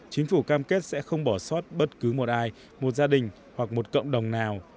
chính phủ cam kết sẽ không bỏ sót bất cứ một ai một gia đình hoặc một cộng đồng nào